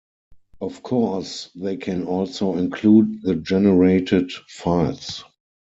Of course, they can also include the generated files.